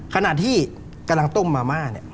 ขณะที่กำลังต้มมาม่าเนี่ย